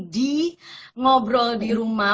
di ngobrol di rumah